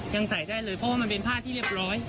ยังใส่ได้เลยเพราะว่ามันเป็นผ้าที่เรียบร้อย